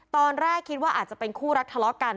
ตอนแรกคิดว่าอาจจะเป็นคู่รักทะเลาะกัน